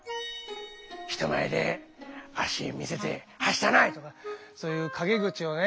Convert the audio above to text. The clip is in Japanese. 「人前で脚見せてはしたない」とかそういう陰口をね